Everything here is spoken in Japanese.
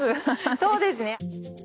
そうですね。